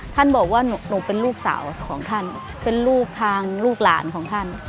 ท่านบอกว่าหนูเป็นลูกสาวของท่านเป็นลูกทางลูกหลานของท่าน